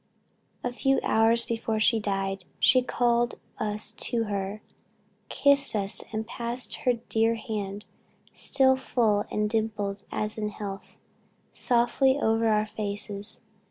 "A few hours before she died, she called us to her, kissed us, and passed her dear hand, still full and dimpled as in health, softly over our faces.